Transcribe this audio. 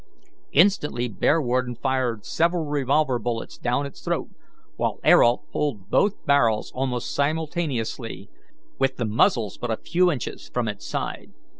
Instantly Bearwarden fired several revolver bullets down its throat, while Ayrault pulled both barrels almost simultaneously, with the muzzles but a few inches from its side.